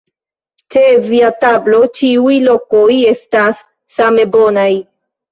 Ĉe via tablo ĉiuj lokoj estas same bonaj!